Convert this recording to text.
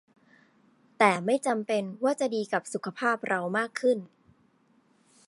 แต่ไม่จำเป็นว่าจะดีกับสุขภาพเรามากขึ้น